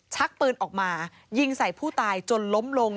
ชักปืนออกมายิงใส่ผู้ตายจนล้มลง